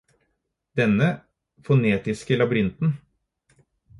Denne fonetiske labyrinten